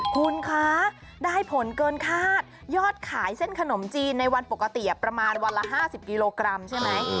คุณคะได้ผลเกินคาดยอดขายเส้นขนมจีนในวันปกติประมาณวันละ๕๐กิโลกรัมใช่ไหม